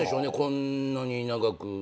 こんなに長く。